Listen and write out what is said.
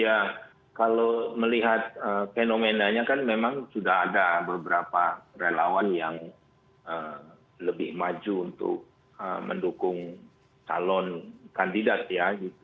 ya kalau melihat fenomenanya kan memang sudah ada beberapa relawan yang lebih maju untuk mendukung calon kandidat ya